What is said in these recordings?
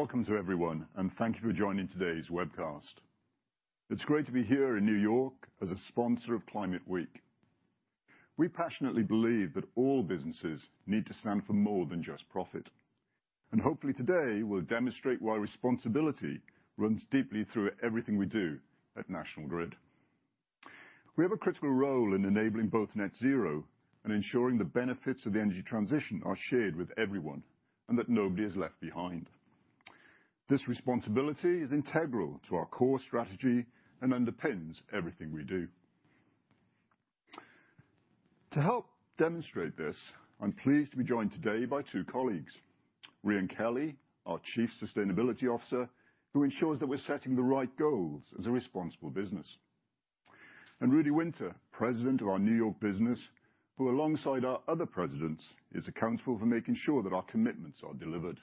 Welcome to everyone, and thank you for joining today's webcast. It's great to be here in New York as a sponsor of Climate Week. We passionately believe that all businesses need to stand for more than just profit, and hopefully today we'll demonstrate why responsibility runs deeply through everything we do at National Grid. We have a critical role in enabling both net zero and ensuring the benefits of the energy transition are shared with everyone, and that nobody is left behind. This responsibility is integral to our core strategy and underpins everything we do. To help demonstrate this, I'm pleased to be joined today by two colleagues: Rhian Kelly, our Chief Sustainability Officer, who ensures that we're setting the right goals as a responsible business, and Rudy Wynter, President of our New York business, who, alongside our other presidents, is accountable for making sure that our commitments are delivered.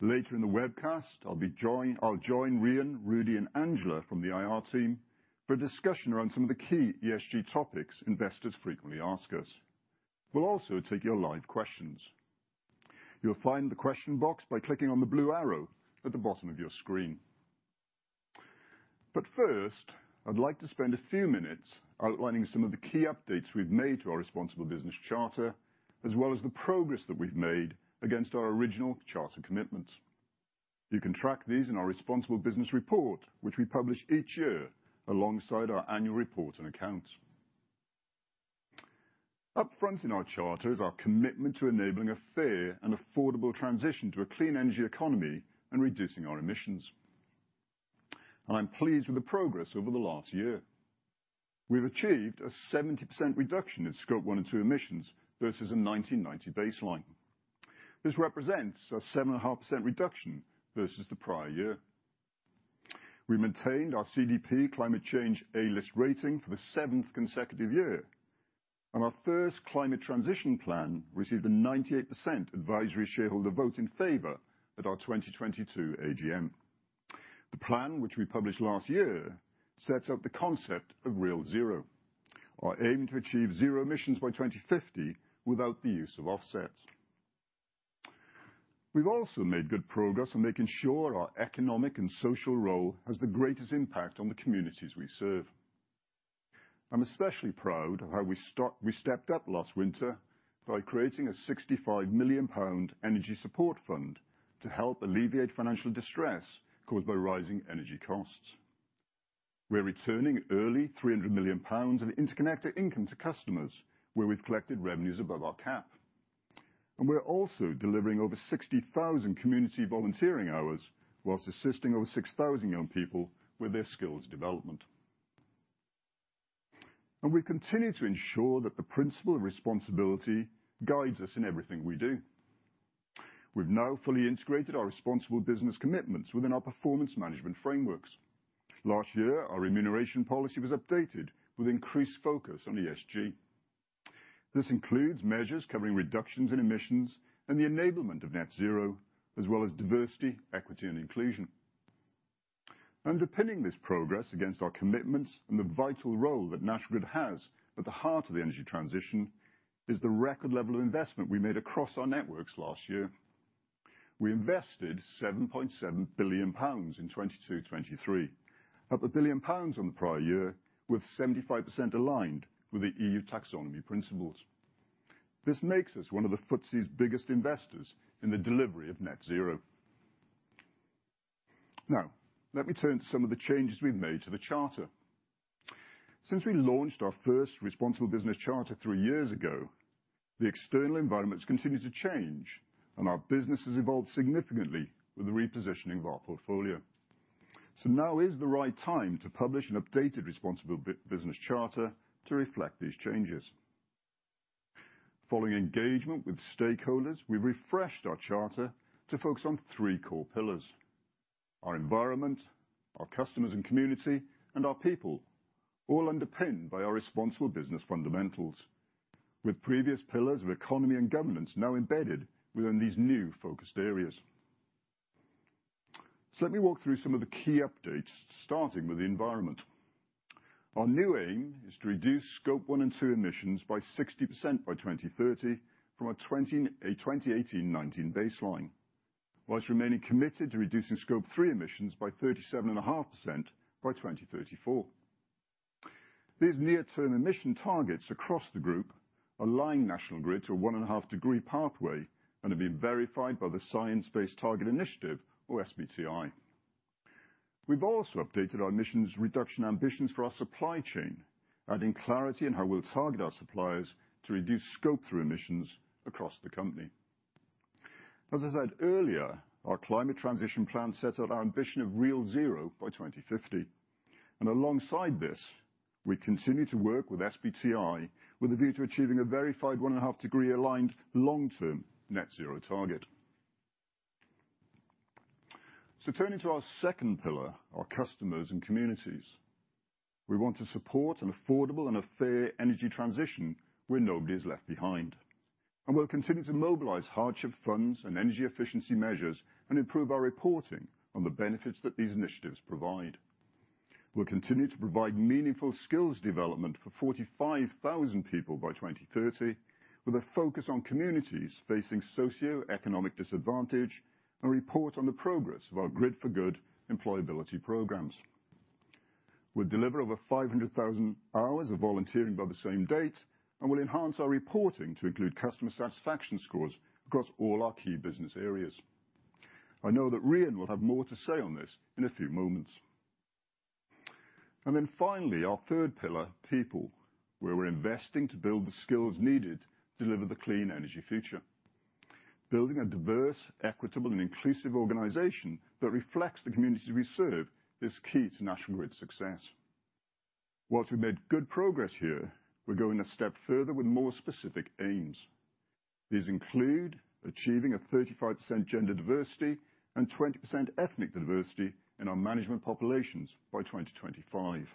Later in the webcast, I'll join Rhian, Rudy, and Angela from the IR team for a discussion around some of the key ESG topics investors frequently ask us. We'll also take your live questions. You'll find the question box by clicking on the blue arrow at the bottom of your screen. First, I'd like to spend a few minutes outlining some of the key updates we've made to our Responsible Business Charter, as well as the progress that we've made against our original charter commitments. You can track these in our Responsible Business Report, which we publish each year alongside our annual reports and accounts. Up front in our charter is our commitment to enabling a fair and affordable transition to a clean energy economy and reducing our emissions. I'm pleased with the progress over the last year. We've achieved a 70% reduction in Scope 1 and 2 emissions versus a 1990 baseline. This represents a 7.5% reduction versus the prior year. We maintained our CDP Climate Change A-list rating for the seventh consecutive year, and our first climate transition plan received a 98% advisory shareholder vote in favor at our 2022 AGM. The plan, which we published last year, sets out the concept of real zero, our aim to achieve zero emissions by 2050 without the use of offsets. We've also made good progress in making sure our economic and social role has the greatest impact on the communities we serve. I'm especially proud of how we stepped up last winter by creating a 65 million pound energy support fund to help alleviate financial distress caused by rising energy costs. We're returning early 300 million pounds of interconnected income to customers where we've collected revenues above our cap. We are also delivering over 60,000 community volunteering hours whilst assisting over 6,000 young people with their skills development. We continue to ensure that the principle of responsibility guides us in everything we do. We have now fully integrated our Responsible Business commitments within our performance management frameworks. Last year, our remuneration policy was updated with increased focus on ESG. This includes measures covering reductions in emissions and the enablement of net zero, as well as diversity, equity, and inclusion. Underpinning this progress against our commitments and the vital role that National has at the heart of the energy transition is the record level of investment we made across our networks last year. We invested 7.7 billion pounds in 2022-2023, up a billion pounds on the prior year, with 75% aligned with the EU taxonomy principles. This makes us one of the FTSE's biggest investors in the delivery of net zero. Now, let me turn to some of the changes we've made to the charter. Since we launched our first Responsible Business Charter three years ago, the external environment has continued to change, and our business has evolved significantly with the repositioning of our portfolio. Now is the right time to publish an updated Responsible Business Charter to reflect these changes. Following engagement with stakeholders, we've refreshed our charter to focus on three core pillars: our environment, our customers and community, and our people, all underpinned by our Responsible Business fundamentals, with previous pillars of economy and governance now embedded within these new focused areas. Let me walk through some of the key updates, starting with the environment. Our new aim is to reduce Scope 1 and 2 emissions by 60% by 2030 from a 2018-2019 baseline, whilst remaining committed to reducing Scope 3 emissions by 37.5% by 2034. These near-term emission targets across the group align National Grid to a 1.5-degree pathway and have been verified by the Science Based Targets Initiative, or SBTI. We've also updated our emissions reduction ambitions for our supply chain, adding clarity in how we'll target our suppliers to reduce Scope 3 emissions across the company. As I said earlier, our climate transition plan sets out our ambition of real zero by 2050. Alongside this, we continue to work with SBTI with a view to achieving a verified 1.5-degree aligned long-term net zero target. Turning to our second pillar, our customers and communities, we want to support an affordable and a fair energy transition where nobody is left behind. We will continue to mobilize hardship funds and energy efficiency measures and improve our reporting on the benefits that these initiatives provide. We will continue to provide meaningful skills development for 45,000 people by 2030, with a focus on communities facing socioeconomic disadvantage, and report on the progress of our Grid for Good employability programs. We will deliver over 500,000 hours of volunteering by the same date, and we will enhance our reporting to include customer satisfaction scores across all our key business areas. I know that Rhian will have more to say on this in a few moments. Finally, our third pillar, people, where we are investing to build the skills needed to deliver the clean energy future. Building a diverse, equitable, and inclusive organization that reflects the communities we serve is key to National Grid's success. Whilst we've made good progress here, we're going a step further with more specific aims. These include achieving a 35% gender diversity and 20% ethnic diversity in our management populations by 2025.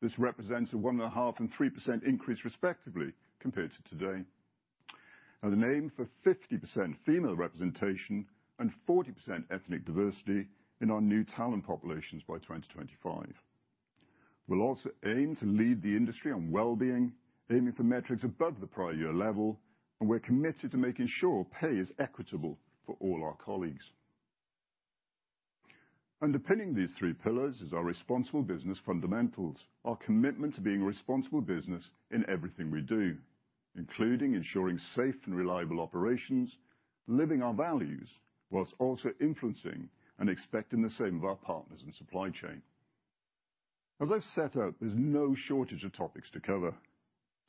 This represents a 1.5% and 3% increase respectively compared to today. An aim for 50% female representation and 40% ethnic diversity in our new talent populations by 2025. We'll also aim to lead the industry on well-being, aiming for metrics above the prior year level, and we're committed to making sure pay is equitable for all our colleagues. Underpinning these three pillars is our Responsible Business fundamentals, our commitment to being a responsible business in everything we do, including ensuring safe and reliable operations, living our values, whilst also influencing and expecting the same of our partners and supply chain. As I've set out, there's no shortage of topics to cover.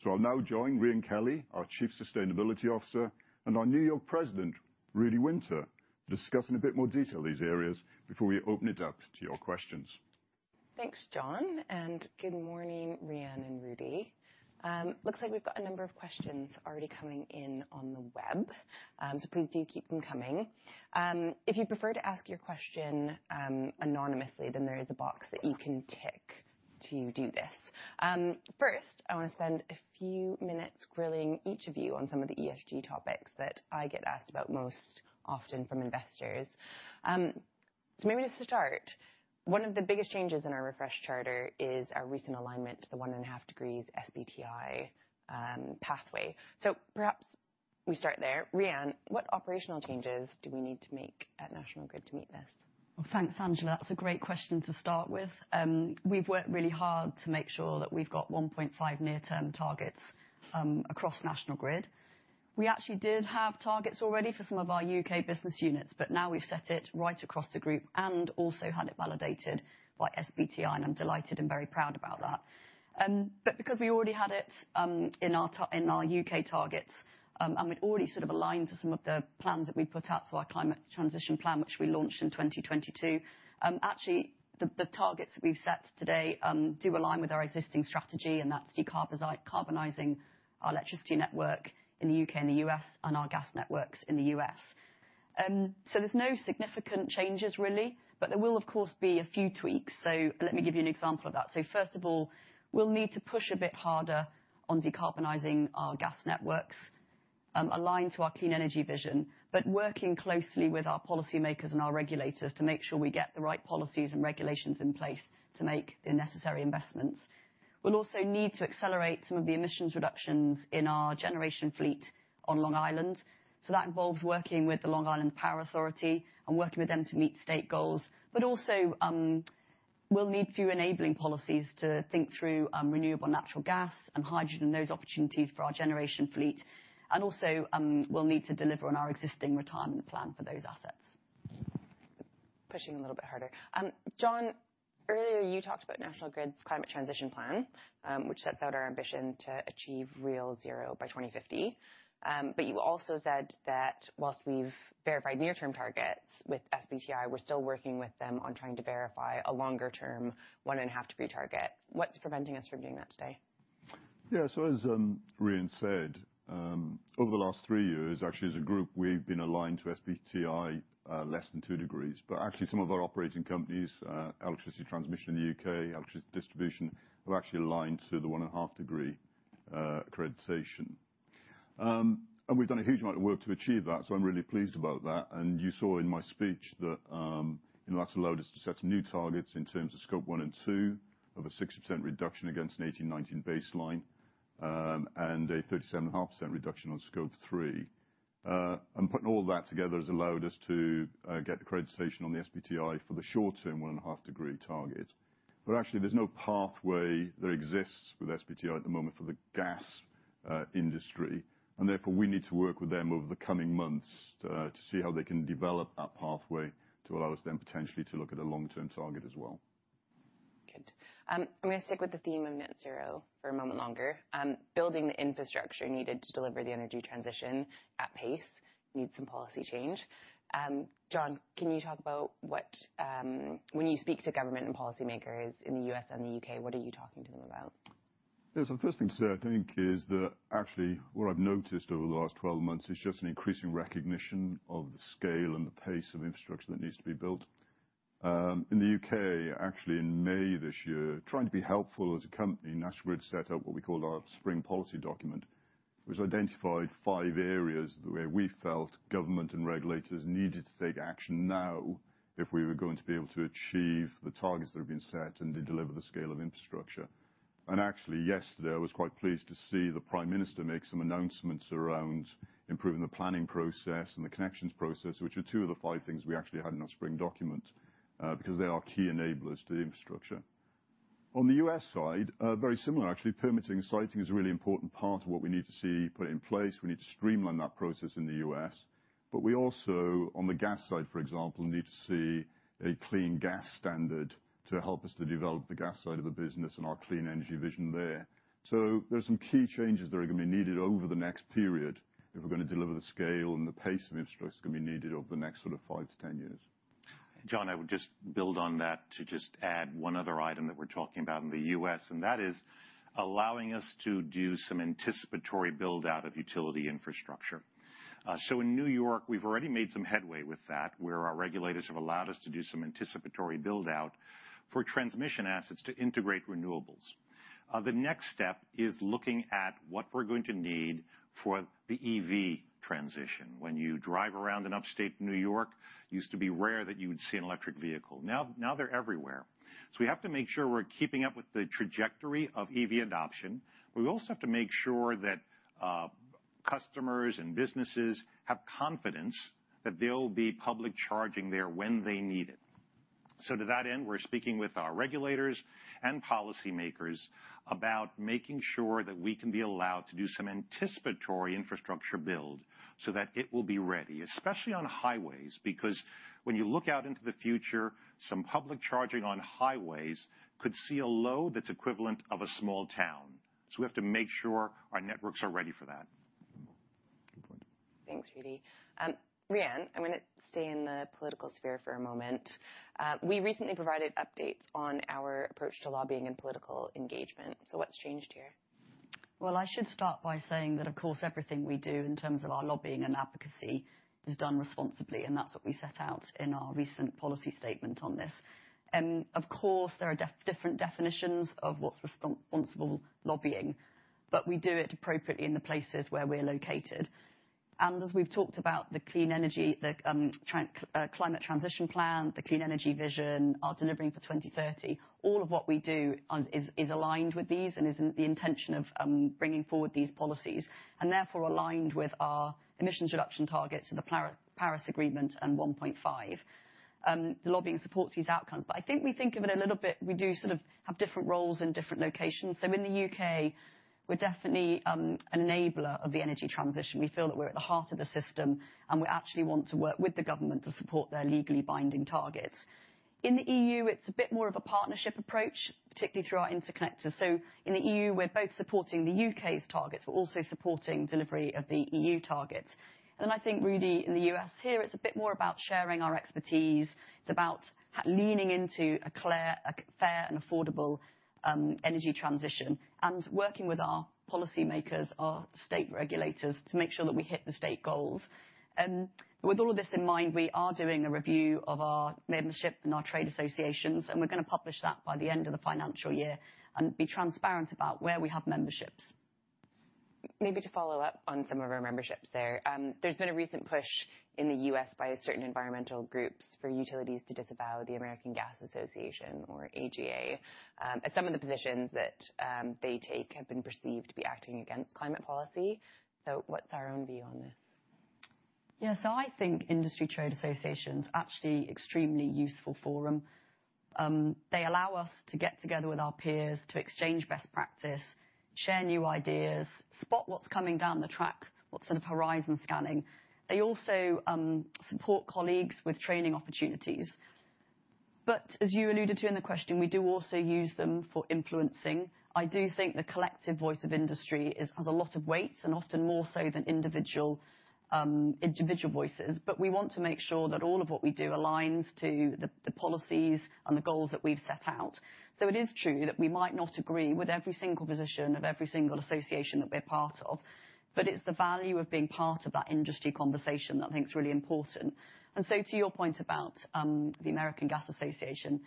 I will now join Rhian Kelly, our Chief Sustainability Officer, and our New York President, Rudy Wynter, discussing a bit more detail of these areas before we open it up to your questions. Thanks, John. Good morning, Rhian and Rudy. Looks like we've got a number of questions already coming in on the web, so please do keep them coming. If you'd prefer to ask your question anonymously, there is a box that you can tick to do this. First, I want to spend a few minutes grilling each of you on some of the ESG topics that I get asked about most often from investors. Maybe to start, one of the biggest changes in our refreshed charter is our recent alignment to the 1.5-degree SBTI pathway. Perhaps we start there. Rhian, what operational changes do we need to make at National Grid to meet this? Thanks, Angela. That's a great question to start with. We've worked really hard to make sure that we've got 1.5 near-term targets across National Grid. We actually did have targets already for some of our U.K. business units, but now we've set it right across the group and also had it validated by SBTI, and I'm delighted and very proud about that. Because we already had it in our U.K. targets and we'd already sort of aligned to some of the plans that we put out to our climate transition plan, which we launched in 2022, actually the targets that we've set today do align with our existing strategy, and that's decarbonizing our electricity network in the U.K. and the U.S. and our gas networks in the U.S. There are no significant changes, really, but there will, of course, be a few tweaks. Let me give you an example of that. First of all, we'll need to push a bit harder on decarbonizing our gas networks aligned to our clean energy vision, but working closely with our policymakers and our regulators to make sure we get the right policies and regulations in place to make the necessary investments. We'll also need to accelerate some of the emissions reductions in our generation fleet on Long Island. That involves working with the Long Island Power Authority and working with them to meet state goals. We'll need fewer enabling policies to think through renewable natural gas and hydrogen and those opportunities for our generation fleet. We'll also need to deliver on our existing retirement plan for those assets. Pushing a little bit harder. John, earlier you talked about National Grid's climate transition plan, which sets out our ambition to achieve real zero by 2050. You also said that whilst we've verified near-term targets with SBTI, we're still working with them on trying to verify a longer-term 1.5-degree target. What's preventing us from doing that today? Yeah, as Rhian said, over the last three years, actually as a group, we've been aligned to SBTI less than two degrees. Actually, some of our operating companies, electricity transmission in the U.K., electricity distribution, have actually aligned to the 1.5-degree accreditation. We've done a huge amount of work to achieve that, so I'm really pleased about that. You saw in my speech that it allows us to set some new targets in terms of Scope 1 and 2, of a 60% reduction against an 2018-2019 baseline and a 37.5% reduction on Scope 3. Putting all that together has allowed us to get accreditation on the SBTI for the short-term 1.5-degree target. Actually, there's no pathway that exists with SBTI at the moment for the gas industry. Therefore, we need to work with them over the coming months to see how they can develop that pathway to allow us then potentially to look at a long-term target as well. Good. I'm going to stick with the theme of net zero for a moment longer. Building the infrastructure needed to deliver the energy transition at pace needs some policy change. John, can you talk about what, when you speak to government and policymakers in the U.S. and the U.K., what are you talking to them about? Yeah, the first thing to say, I think, is that actually what I've noticed over the last 12 months is just an increasing recognition of the scale and the pace of infrastructure that needs to be built. In the U.K., actually in May this year, trying to be helpful as a company, National Grid set out what we called our spring policy document, which identified five areas where we felt government and regulators needed to take action now if we were going to be able to achieve the targets that have been set and deliver the scale of infrastructure. Actually, yesterday, I was quite pleased to see the Prime Minister make some announcements around improving the planning process and the connections process, which are two of the five things we actually had in our spring document because they are key enablers to the infrastructure. On the U.S. side, very similar, actually, permitting and citing is a really important part of what we need to see put in place. We need to streamline that process in the U.S. We also, on the gas side, for example, need to see a clean gas standard to help us to develop the gas side of the business and our clean energy vision there. There are some key changes that are going to be needed over the next period if we're going to deliver the scale and the pace of infrastructure that's going to be needed over the next sort of 5-10 years. John, I would just build on that to just add one other item that we're talking about in the U.S., and that is allowing us to do some anticipatory build-out of utility infrastructure. In New York, we've already made some headway with that, where our regulators have allowed us to do some anticipatory build-out for transmission assets to integrate renewables. The next step is looking at what we're going to need for the EV transition. When you drive around in upstate New York, it used to be rare that you'd see an electric vehicle. Now they're everywhere. We have to make sure we're keeping up with the trajectory of EV adoption, but we also have to make sure that customers and businesses have confidence that there will be public charging there when they need it. To that end, we're speaking with our regulators and policymakers about making sure that we can be allowed to do some anticipatory infrastructure build so that it will be ready, especially on highways, because when you look out into the future, some public charging on highways could see a load that's equivalent to a small town. We have to make sure our networks are ready for that. Thanks, Rudy. Rhian, I'm going to stay in the political sphere for a moment. We recently provided updates on our approach to lobbying and political engagement. What's changed here? I should start by saying that, of course, everything we do in terms of our lobbying and advocacy is done responsibly, and that's what we set out in our recent policy statement on this. Of course, there are different definitions of what's responsible lobbying, but we do it appropriately in the places where we're located. As we've talked about, the climate transition plan, the clean energy vision, our delivering for 2030, all of what we do is aligned with these and is in the intention of bringing forward these policies and therefore aligned with our emissions reduction targets of the Paris Agreement and 1.5. The lobbying supports these outcomes. I think we think of it a little bit, we do sort of have different roles in different locations. In the U.K., we're definitely an enabler of the energy transition. We feel that we're at the heart of the system, and we actually want to work with the government to support their legally binding targets. In the EU, it's a bit more of a partnership approach, particularly through our interconnectors. In the EU, we're both supporting the U.K.'s targets, but also supporting delivery of the EU targets. I think, Rudy, in the US here, it's a bit more about sharing our expertise. It's about leaning into a fair and affordable energy transition and working with our policymakers, our state regulators to make sure that we hit the state goals. With all of this in mind, we are doing a review of our membership and our trade associations, and we're going to publish that by the end of the financial year and be transparent about where we have memberships. Maybe to follow up on some of our memberships there, there's been a recent push in the U.S. by certain environmental groups for utilities to disavow the American Gas Association, or AGA, as some of the positions that they take have been perceived to be acting against climate policy. What's our own view on this? Yeah, so I think industry trade associations are actually an extremely useful forum. They allow us to get together with our peers to exchange best practice, share new ideas, spot what's coming down the track, what sort of horizon scanning. They also support colleagues with training opportunities. As you alluded to in the question, we do also use them for influencing. I do think the collective voice of industry has a lot of weight and often more so than individual voices. We want to make sure that all of what we do aligns to the policies and the goals that we've set out. It is true that we might not agree with every single position of every single association that we're part of, but it's the value of being part of that industry conversation that I think is really important. To your point about the American Gas Association,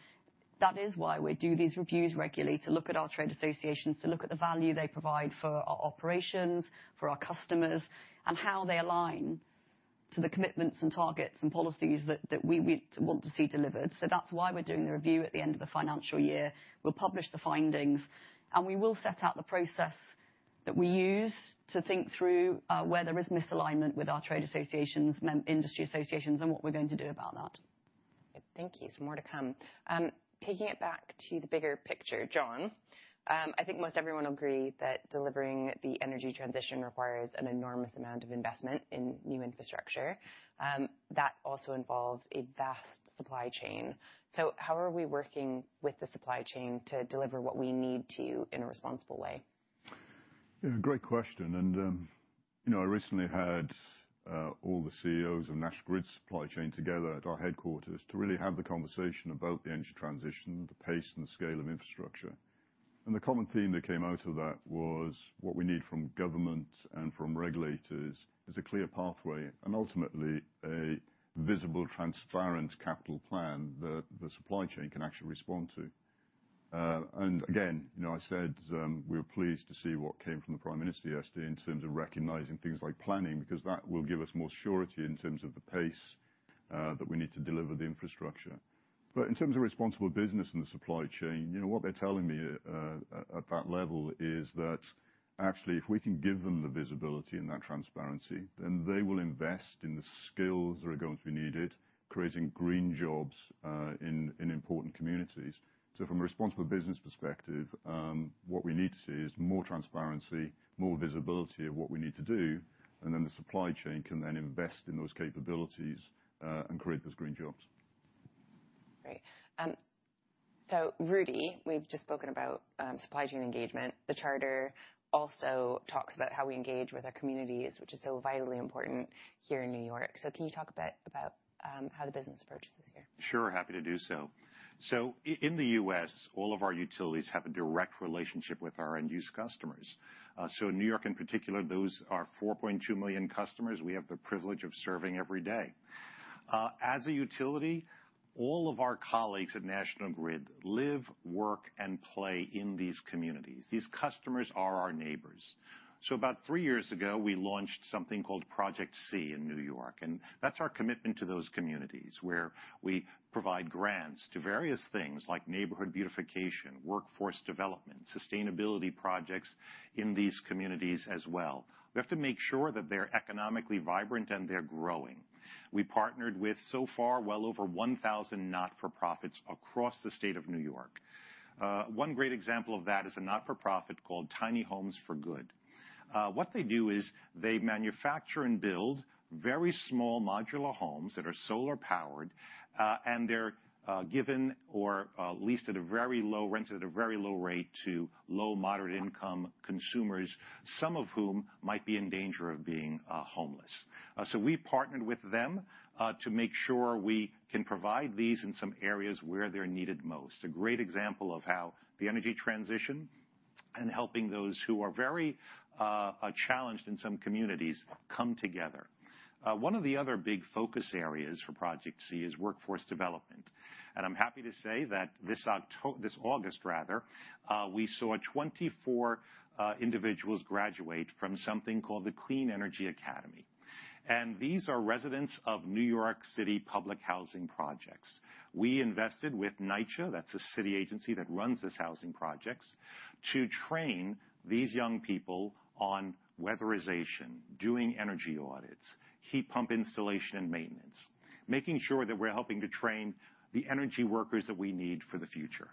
that is why we do these reviews regularly to look at our trade associations, to look at the value they provide for our operations, for our customers, and how they align to the commitments and targets and policies that we want to see delivered. That is why we are doing the review at the end of the financial year. We will publish the findings, and we will set out the process that we use to think through where there is misalignment with our trade associations, industry associations, and what we are going to do about that. Thank you. Some more to come. Taking it back to the bigger picture, John, I think most everyone will agree that delivering the energy transition requires an enormous amount of investment in new infrastructure. That also involves a vast supply chain. How are we working with the supply chain to deliver what we need to in a responsible way? Yeah, great question. I recently had all the CEOs of National Grid's supply chain together at our headquarters to really have the conversation about the energy transition, the pace, and the scale of infrastructure. The common theme that came out of that was what we need from government and from regulators is a clear pathway and ultimately a visible, transparent capital plan that the supply chain can actually respond to. I said we were pleased to see what came from the Prime Minister yesterday in terms of recognizing things like planning, because that will give us more surety in terms of the pace that we need to deliver the infrastructure. In terms of responsible business in the supply chain, what they are telling me at that level is that actually, if we can give them the visibility and that transparency, then they will invest in the skills that are going to be needed, creating green jobs in important communities. From a responsible business perspective, what we need to see is more transparency, more visibility of what we need to do, and then the supply chain can then invest in those capabilities and create those green jobs. Great. Rudy, we've just spoken about supply chain engagement. The charter also talks about how we engage with our communities, which is so vitally important here in New York. Can you talk a bit about how the business approaches this year? Sure, happy to do so. In the US, all of our utilities have a direct relationship with our end-use customers. In New York, in particular, those are 4.2 million customers we have the privilege of serving every day. As a utility, all of our colleagues at National Grid live, work, and play in these communities. These customers are our neighbors. About three years ago, we launched something called Project C in New York. That is our commitment to those communities, where we provide grants to various things like neighborhood beautification, workforce development, sustainability projects in these communities as well. We have to make sure that they are economically vibrant and they are growing. We partnered with so far well over 1,000 not-for-profits across the state of New York. One great example of that is a not-for-profit called Tiny Homes for Good. What they do is they manufacture and build very small modular homes that are solar-powered, and they're given or leased at a very low rent at a very low rate to low-moderate-income consumers, some of whom might be in danger of being homeless. We partnered with them to make sure we can provide these in some areas where they're needed most. A great example of how the energy transition and helping those who are very challenged in some communities come together. One of the other big focus areas for Project C is workforce development. I'm happy to say that this August, rather, we saw 24 individuals graduate from something called the Clean Energy Academy. These are residents of New York City public housing projects. We invested with NYCHA, that's a city agency that runs these housing projects, to train these young people on weatherization, doing energy audits, heat pump installation, and maintenance, making sure that we're helping to train the energy workers that we need for the future.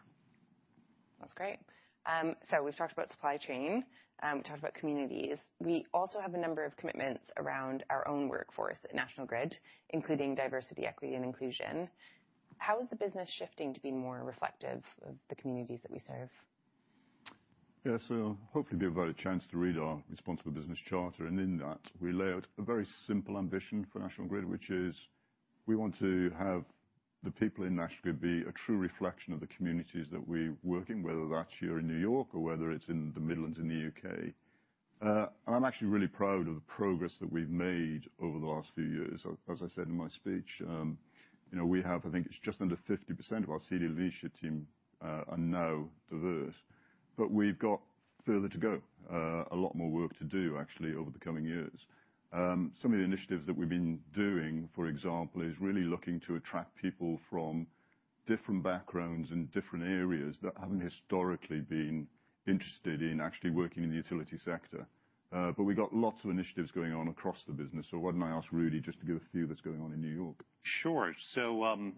That's great. We have talked about supply chain. We talked about communities. We also have a number of commitments around our own workforce at National Grid, including diversity, equity, and inclusion. How is the business shifting to be more reflective of the communities that we serve? Yeah, hopefully we've got a chance to read our Responsible Business Charter. In that, we lay out a very simple ambition for National Grid, which is we want to have the people in National Grid be a true reflection of the communities that we work in, whether that's here in New York or whether it's in the Midlands in the U.K. I'm actually really proud of the progress that we've made over the last few years. As I said in my speech, we have, I think it's just under 50% of our senior leadership team are now diverse. We've got further to go, a lot more work to do, actually, over the coming years. Some of the initiatives that we've been doing, for example, is really looking to attract people from different backgrounds and different areas that haven't historically been interested in actually working in the utility sector. We've got lots of initiatives going on across the business. Why don't I ask Rudy just to give a few that's going on in New York? Sure.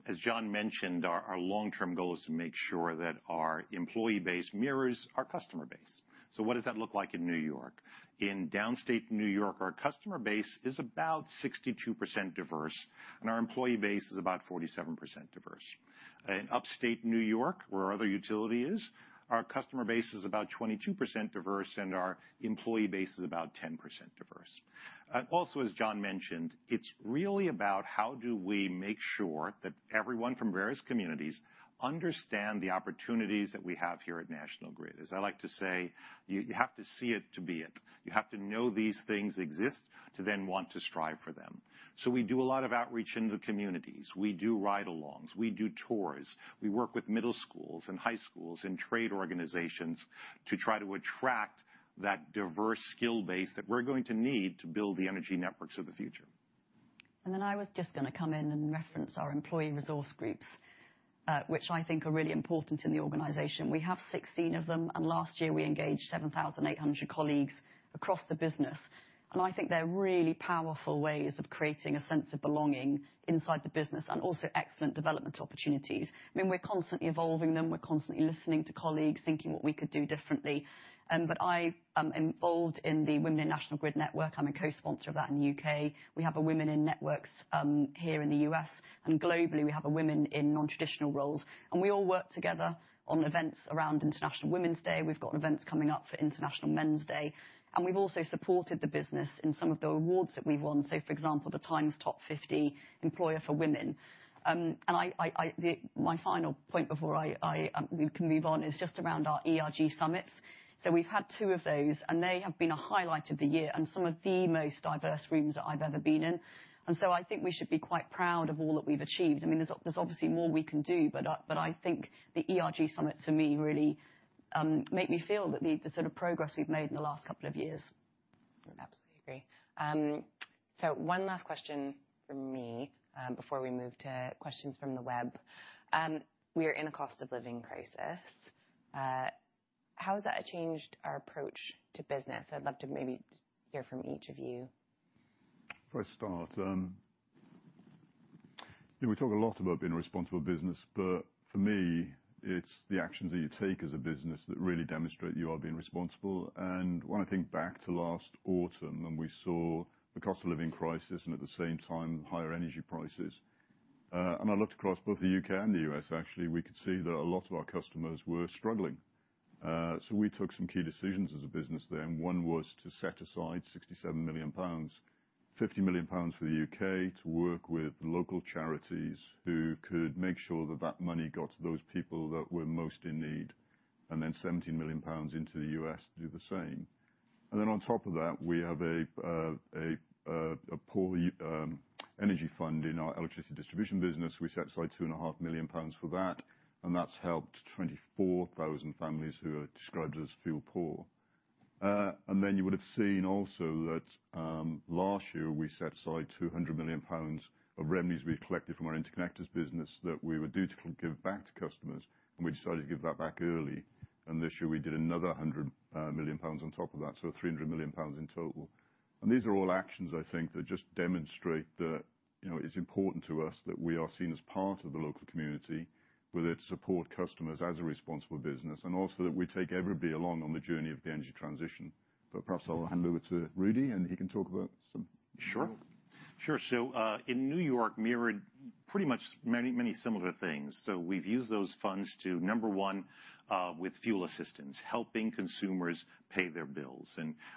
As John mentioned, our long-term goal is to make sure that our employee base mirrors our customer base. What does that look like in New York? In downstate New York, our customer base is about 62% diverse, and our employee base is about 47% diverse. In upstate New York, where our other utility is, our customer base is about 22% diverse, and our employee base is about 10% diverse. Also, as John mentioned, it is really about how do we make sure that everyone from various communities understand the opportunities that we have here at National Grid. As I like to say, you have to see it to be it. You have to know these things exist to then want to strive for them. We do a lot of outreach in the communities. We do ride-alongs. We do tours. We work with middle schools and high schools and trade organizations to try to attract that diverse skill base that we're going to need to build the energy networks of the future. I was just going to come in and reference our employee resource groups, which I think are really important in the organization. We have 16 of them, and last year we engaged 7,800 colleagues across the business. I think they are really powerful ways of creating a sense of belonging inside the business and also excellent development opportunities. I mean, we are constantly evolving them. We are constantly listening to colleagues, thinking what we could do differently. I am involved in the Women in National Grid Network. I am a co-sponsor of that in the U.K. We have a Women in Networks here in the U.S., and globally, we have a Women in Nontraditional Roles. We all work together on events around International Women's Day. We have events coming up for International Men's Day. We have also supported the business in some of the awards that we have won. For example, the Times Top 50 Employer for Women. My final point before we can move on is just around our ERG Summits. We have had two of those, and they have been a highlight of the year and some of the most diverse rooms that I have ever been in. I think we should be quite proud of all that we have achieved. I mean, there is obviously more we can do, but I think the ERG Summit, to me, really made me feel that the sort of progress we have made in the last couple of years. Absolutely agree. One last question for me before we move to questions from the web. We are in a cost of living crisis. How has that changed our approach to business? I'd love to maybe hear from each of you. For a start, we talk a lot about being a responsible business, but for me, it's the actions that you take as a business that really demonstrate you are being responsible. When I think back to last autumn, when we saw the cost of living crisis and at the same time higher energy prices, and I looked across both the U.K. and the U.S., actually, we could see that a lot of our customers were struggling. We took some key decisions as a business there. One was to set aside 67 million pounds, 50 million pounds for the U.K. to work with local charities who could make sure that that money got to those people that were most in need, and then 17 million pounds into the U.S. to do the same. On top of that, we have a poor energy fund in our electricity distribution business. We set aside 2.5 million pounds for that, and that's helped 24,000 families who are described as fuel-poor. You would have seen also that last year we set aside 200 million pounds of revenues we collected from our interconnectors business that we were due to give back to customers, and we decided to give that back early. This year we did another 100 million pounds on top of that, so 300 million pounds in total. These are all actions, I think, that just demonstrate that it's important to us that we are seen as part of the local community, whether it's to support customers as a responsible business, and also that we take everybody along on the journey of the energy transition. Perhaps I'll hand over to Rudy, and he can talk about some of this. Sure. Sure. In New York, we mirrored pretty much many, many similar things. We have used those funds to, number one, with fuel assistance, helping consumers pay their bills.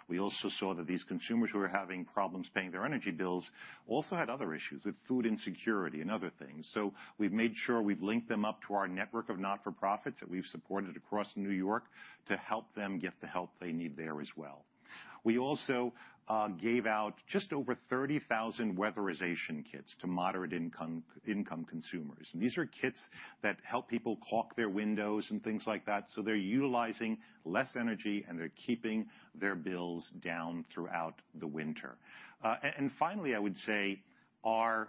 We also saw that these consumers who were having problems paying their energy bills also had other issues with food insecurity and other things. We have made sure we have linked them up to our network of not-for-profits that we have supported across New York to help them get the help they need there as well. We also gave out just over 30,000 weatherization kits to moderate-income consumers. These are kits that help people caulk their windows and things like that. They are utilizing less energy, and they are keeping their bills down throughout the winter. Finally, I would say our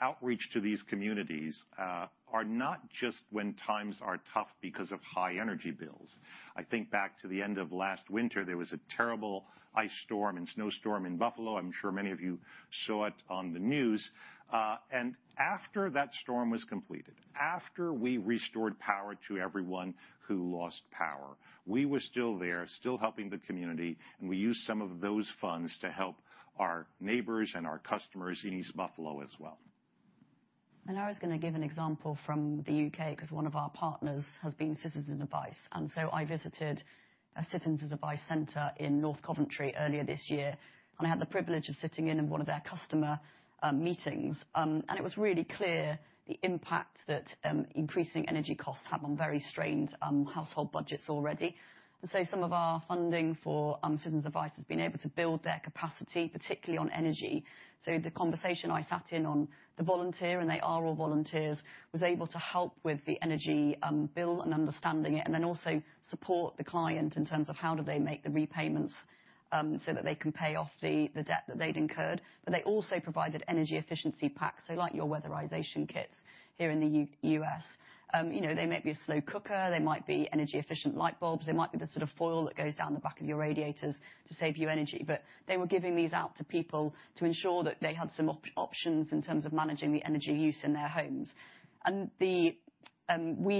outreach to these communities is not just when times are tough because of high energy bills. I think back to the end of last winter, there was a terrible ice storm and snowstorm in Buffalo. I'm sure many of you saw it on the news. After that storm was completed, after we restored power to everyone who lost power, we were still there, still helping the community, and we used some of those funds to help our neighbors and our customers in East Buffalo as well. I was going to give an example from the U.K. because one of our partners has been Citizens Advice. I visited the Citizens Advice center in North Coventry earlier this year, and I had the privilege of sitting in one of their customer meetings. It was really clear the impact that increasing energy costs have on very strained household budgets already. Some of our funding for Citizens Advice has been able to build their capacity, particularly on energy. The conversation I sat in on, the volunteer, and they are all volunteers, was able to help with the energy bill and understanding it, and then also support the client in terms of how do they make the repayments so that they can pay off the debt that they had incurred. They also provided energy efficiency packs, like your weatherization kits here in the U.S. They may be a slow cooker. They might be energy-efficient light bulbs. They might be the sort of foil that goes down the back of your radiators to save you energy. They were giving these out to people to ensure that they had some options in terms of managing the energy use in their homes. We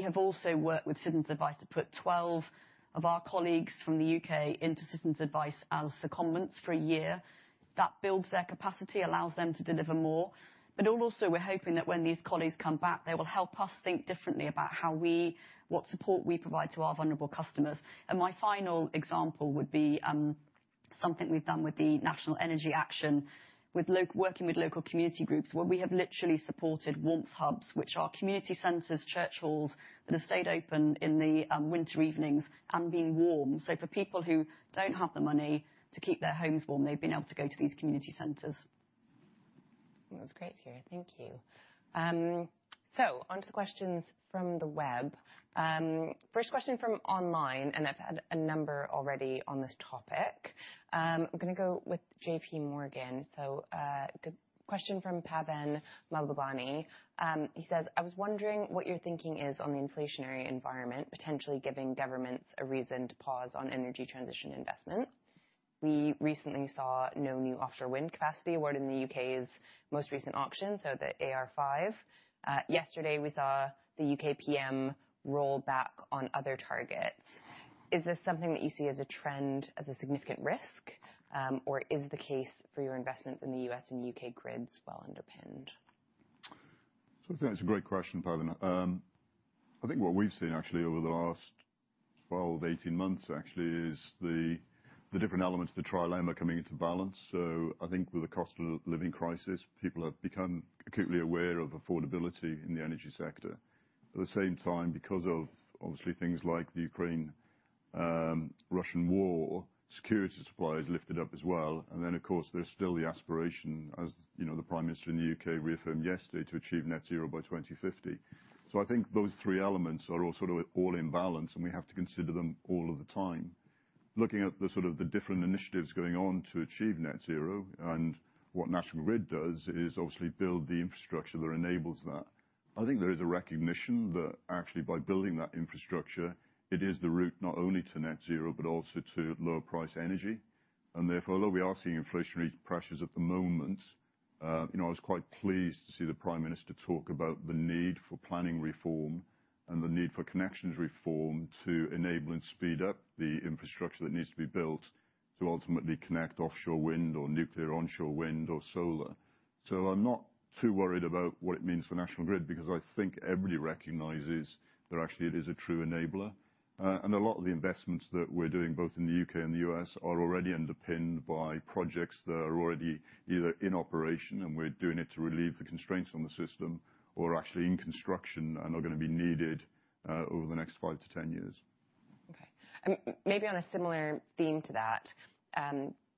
have also worked with Citizens Advice to put 12 of our colleagues from the U.K. into Citizens Advice as secondments for a year. That builds their capacity, allows them to deliver more. We are hoping that when these colleagues come back, they will help us think differently about what support we provide to our vulnerable customers. My final example would be something we've done with National Energy Action, working with local community groups, where we have literally supported warmth hubs, which are community centers, church halls that have stayed open in the winter evenings and been warm. For people who do not have the money to keep their homes warm, they have been able to go to these community centers. That's great to hear. Thank you. On to the questions from the web. First question from online, and I've had a number already on this topic. I'm going to go with JP Morgan. Question from Pavan Mahbubani. He says, "I was wondering what your thinking is on the inflationary environment, potentially giving governments a reason to pause on energy transition investment. We recently saw no new offshore wind capacity award in the U.K.'s most recent auction, so the AR5. Yesterday, we saw the U.K. PM roll back on other targets. Is this something that you see as a trend, as a significant risk, or is the case for your investments in the U.S. and U.K. grids well underpinned? I think that's a great question, Pavan. I think what we've seen, actually, over the last 12-18 months, actually, is the different elements of the trilemma coming into balance. I think with the cost of living crisis, people have become acutely aware of affordability in the energy sector. At the same time, because of, obviously, things like the Ukraine-Russian war, security supply has lifted up as well. Of course, there's still the aspiration, as the Prime Minister in the U.K. reaffirmed yesterday, to achieve net zero by 2050. I think those three elements are all sort of all in balance, and we have to consider them all of the time. Looking at the sort of the different initiatives going on to achieve net zero, and what National Grid does is obviously build the infrastructure that enables that. I think there is a recognition that, actually, by building that infrastructure, it is the route not only to net zero, but also to lower-priced energy. Therefore, although we are seeing inflationary pressures at the moment, I was quite pleased to see the Prime Minister talk about the need for planning reform and the need for connections reform to enable and speed up the infrastructure that needs to be built to ultimately connect offshore wind or nuclear onshore wind or solar. I am not too worried about what it means for National Grid because I think everybody recognizes that, actually, it is a true enabler. A lot of the investments that we're doing, both in the U.K. and the U.S., are already underpinned by projects that are already either in operation, and we're doing it to relieve the constraints on the system, or actually in construction and are going to be needed over the next five to ten years. Okay. Maybe on a similar theme to that,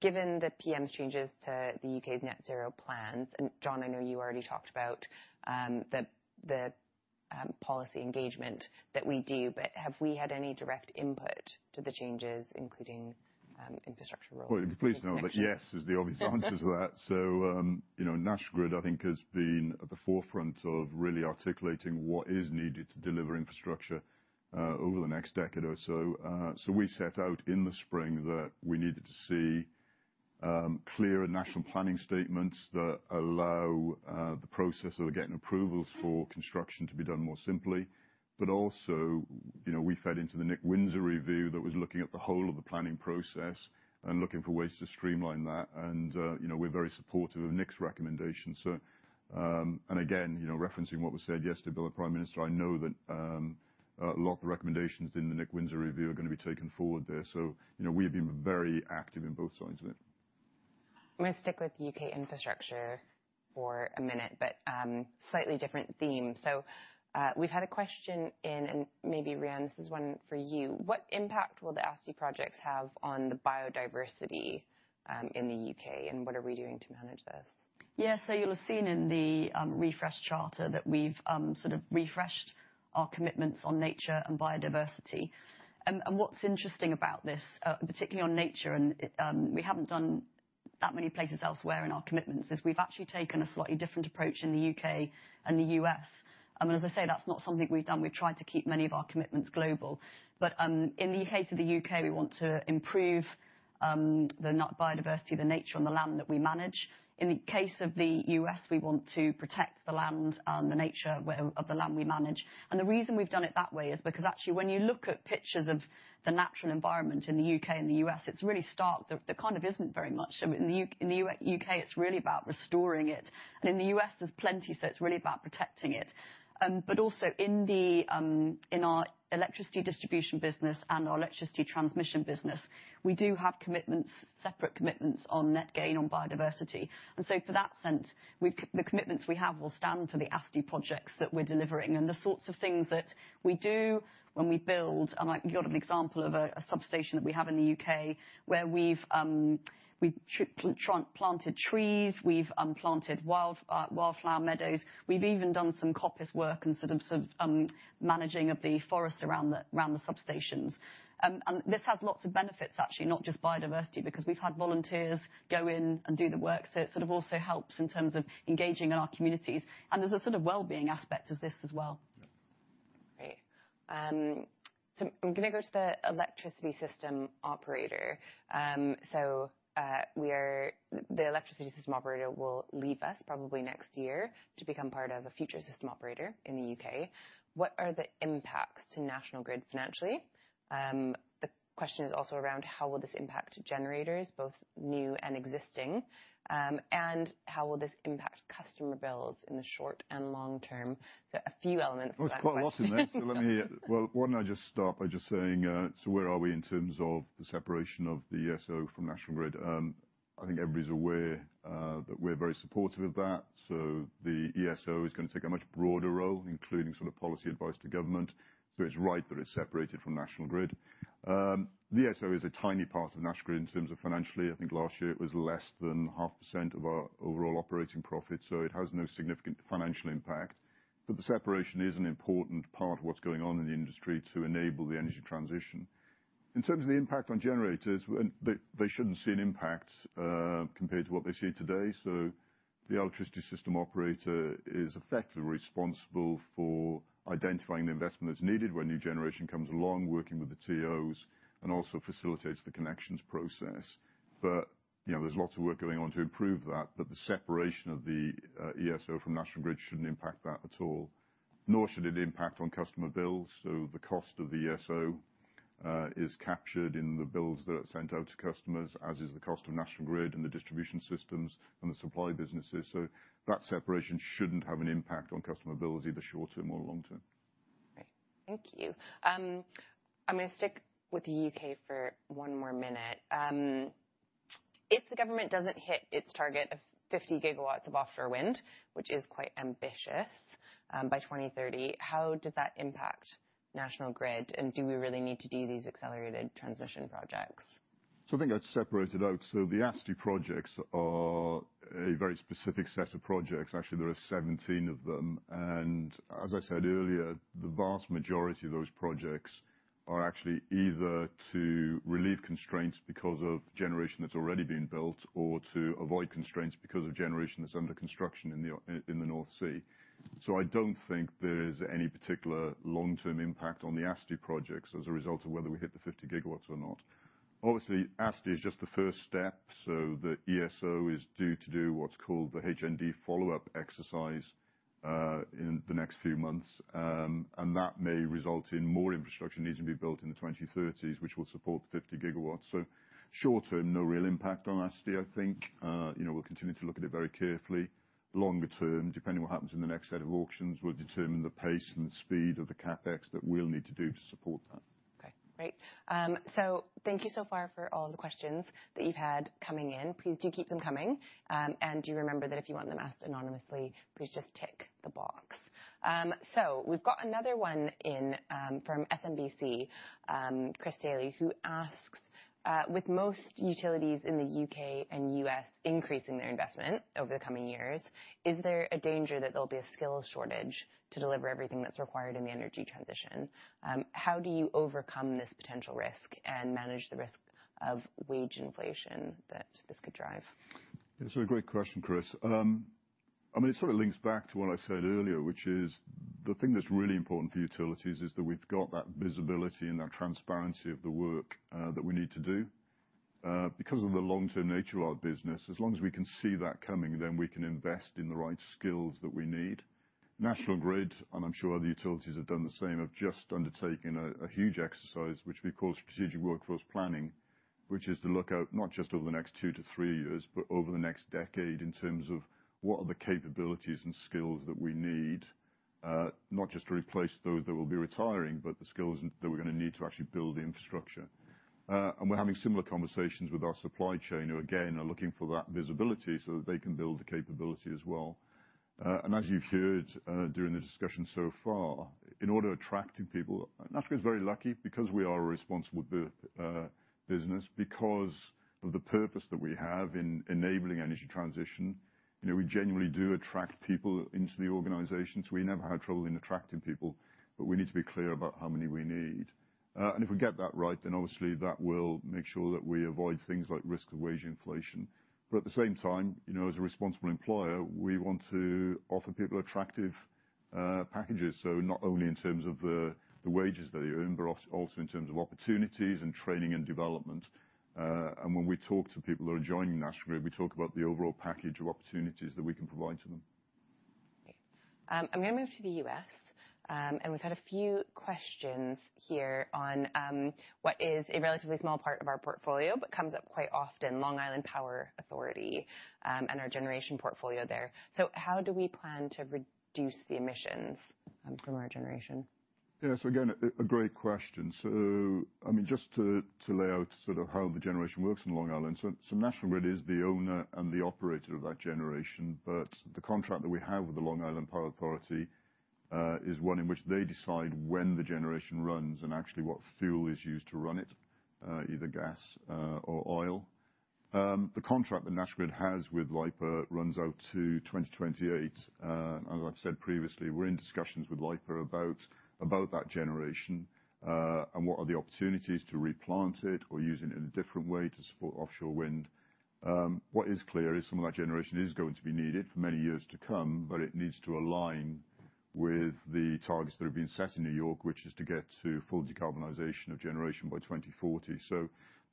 given the PM's changes to the U.K.'s net zero plans, and John, I know you already talked about the policy engagement that we do, but have we had any direct input to the changes, including infrastructure rollout? Please know that yes is the obvious answer to that. National Grid, I think, has been at the forefront of really articulating what is needed to deliver infrastructure over the next decade or so. We set out in the spring that we needed to see clearer national planning statements that allow the process of getting approvals for construction to be done more simply. We fed into the Nick Windsor review that was looking at the whole of the planning process and looking for ways to streamline that. We are very supportive of Nick's recommendations. Referencing what was said yesterday by the Prime Minister, I know that a lot of the recommendations in the Nick Windsor review are going to be taken forward there. We have been very active in both sides of it. I'm going to stick with U.K. infrastructure for a minute, but slightly different theme. We have had a question in, and maybe, Rhian, this is one for you. What impact will the ASTI projects have on the biodiversity in the U.K., and what are we doing to manage this? Yeah. You'll have seen in the REFRESH charter that we've sort of refreshed our commitments on nature and biodiversity. What's interesting about this, particularly on nature, and we haven't done that many places elsewhere in our commitments, is we've actually taken a slightly different approach in the U.K. and the U.S. As I say, that's not something we've done. We've tried to keep many of our commitments global. In the case of the U.K., we want to improve the biodiversity, the nature, and the land that we manage. In the case of the U.S., we want to protect the land and the nature of the land we manage. The reason we've done it that way is because, actually, when you look at pictures of the natural environment in the U.K. and the U.S., it's really stark. There kind of isn't very much. In the U.K., it's really about restoring it. In the U.S., there's plenty, so it's really about protecting it. Also, in our electricity distribution business and our electricity transmission business, we do have commitments, separate commitments on net gain on biodiversity. For that sense, the commitments we have will stand for the ASTI projects that we're delivering and the sorts of things that we do when we build. I've got an example of a substation that we have in the U.K. where we've planted trees, we've planted wildflower meadows. We've even done some coppice work and sort of managing of the forest around the substations. This has lots of benefits, actually, not just biodiversity, because we've had volunteers go in and do the work. It sort of also helps in terms of engaging in our communities. There's a sort of well-being aspect to this as well. Great. I'm going to go to the electricity system operator. The electricity system operator will leave us probably next year to become part of a future system operator in the U.K. What are the impacts to National Grid financially? The question is also around how will this impact generators, both new and existing, and how will this impact customer bills in the short and long-term? A few elements of that question. Quite a lot in there. Let me just start by saying, where are we in terms of the separation of the ESO from National Grid? I think everybody's aware that we're very supportive of that. The ESO is going to take a much broader role, including sort of policy advice to government. It is right that it is separated from National Grid. The ESO is a tiny part of National Grid financially. I think last year it was less than 0.5% of our overall operating profit, so it has no significant financial impact. The separation is an important part of what is going on in the industry to enable the energy transition. In terms of the impact on generators, they should not see an impact compared to what they see today. The electricity system operator is effectively responsible for identifying the investment that's needed when new generation comes along, working with the TOs, and also facilitates the connections process. There is lots of work going on to improve that. The separation of the ESO from National Grid should not impact that at all, nor should it impact on customer bills. The cost of the ESO is captured in the bills that are sent out to customers, as is the cost of National Grid and the distribution systems and the supply businesses. That separation should not have an impact on customer bills, either short term or long term. Thank you. I'm going to stick with the U.K. for one more minute. If the government doesn't hit its target of 50 gigawatts of offshore wind, which is quite ambitious by 2030, how does that impact National Grid, and do we really need to do these accelerated transmission projects? I think I'd separate it out. The ASTI projects are a very specific set of projects. Actually, there are 17 of them. As I said earlier, the vast majority of those projects are actually either to relieve constraints because of generation that's already being built or to avoid constraints because of generation that's under construction in the North Sea. I don't think there is any particular long-term impact on the ASTI projects as a result of whether we hit the 50 gigawatts or not. Obviously, ASTI is just the first step. The ESO is due to do what's called the HND follow-up exercise in the next few months. That may result in more infrastructure needing to be built in the 2030s, which will support the 50 gigawatts. Short term, no real impact on ASTI, I think. We'll continue to look at it very carefully. Longer term, depending on what happens in the next set of auctions, will determine the pace and the speed of the CapEx that we'll need to do to support that. Okay. Great. Thank you so far for all the questions that you've had coming in. Please do keep them coming. Do remember that if you want them asked anonymously, please just tick the box. We've got another one from SNBC, Chris Daley, who asks, "With most utilities in the U.K. and U.S. increasing their investment over the coming years, is there a danger that there'll be a skill shortage to deliver everything that's required in the energy transition? How do you overcome this potential risk and manage the risk of wage inflation that this could drive? That's a great question, Chris. I mean, it sort of links back to what I said earlier, which is the thing that's really important for utilities is that we've got that visibility and that transparency of the work that we need to do. Because of the long-term nature of our business, as long as we can see that coming, then we can invest in the right skills that we need. National Grid, and I'm sure other utilities have done the same, have just undertaken a huge exercise, which we call strategic workforce planning, which is to look out not just over the next two to three years, but over the next decade in terms of what are the capabilities and skills that we need, not just to replace those that will be retiring, but the skills that we're going to need to actually build the infrastructure. We are having similar conversations with our supply chain, who again are looking for that visibility so that they can build the capability as well. As you have heard during the discussion so far, in order to attract people, National Grid is very lucky because we are a responsible business. Because of the purpose that we have in enabling energy transition, we genuinely do attract people into the organization. We never had trouble in attracting people, but we need to be clear about how many we need. If we get that right, that will make sure that we avoid things like risk of wage inflation. At the same time, as a responsible employer, we want to offer people attractive packages, not only in terms of the wages they earn, but also in terms of opportunities and training and development. When we talk to people that are joining National Grid, we talk about the overall package of opportunities that we can provide to them. I'm going to move to the US, and we've had a few questions here on what is a relatively small part of our portfolio, but comes up quite often, Long Island Power Authority and our generation portfolio there. How do we plan to reduce the emissions from our generation? Yeah. Again, a great question. I mean, just to lay out sort of how the generation works in Long Island, National Grid is the owner and the operator of that generation, but the contract that we have with the Long Island Power Authority is one in which they decide when the generation runs and actually what fuel is used to run it, either gas or oil. The contract that National Grid has with LIPA runs out to 2028. As I've said previously, we're in discussions with LIPA about that generation and what are the opportunities to replant it or use it in a different way to support offshore wind. What is clear is some of that generation is going to be needed for many years to come, but it needs to align with the targets that have been set in New York, which is to get to full decarbonization of generation by 2040.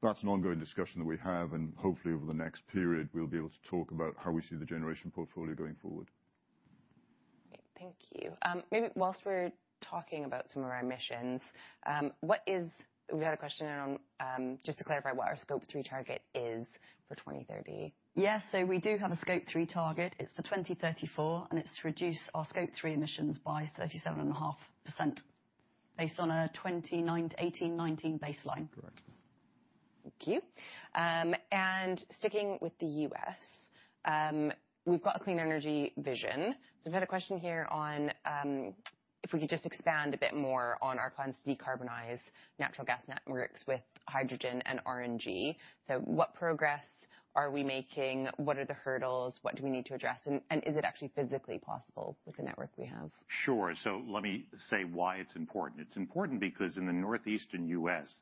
That is an ongoing discussion that we have, and hopefully over the next period, we'll be able to talk about how we see the generation portfolio going forward. Thank you. Maybe whilst we're talking about some of our emissions, we had a question just to clarify what our Scope 3 target is for 2030. Yeah. We do have a Scope 3 target. It is for 2034, and it is to reduce our Scope 3 emissions by 37.5% based on a 2018-2019 baseline. Correct. Thank you. Sticking with the US, we've got a clean energy vision. We've had a question here on if we could just expand a bit more on our plans to decarbonize natural gas networks with hydrogen and RNG. What progress are we making? What are the hurdles? What do we need to address? Is it actually physically possible with the network we have? Sure. Let me say why it's important. It's important because in the northeastern U.S.,